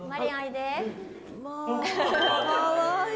かわいい。